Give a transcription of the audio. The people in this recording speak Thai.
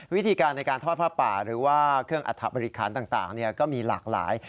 วิธีการในการทอดผ้าป่าหรือว่าเครื่องอัฐบริคารต่างก็มีหลากหลาย